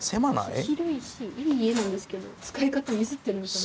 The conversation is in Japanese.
広いしいい家なんですけど使い方ミスってるんですよ。